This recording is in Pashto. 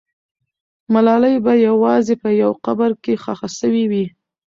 ملالۍ به یوازې په یو قبر کې ښخ سوې وي.